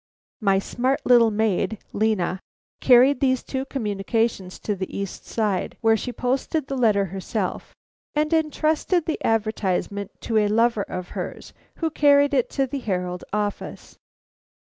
My smart little maid, Lena, carried these two communications to the east side, where she posted the letter herself and entrusted the advertisement to a lover of hers who carried it to the Herald office.